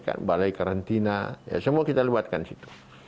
karantina ya semua kita lewatkan di situ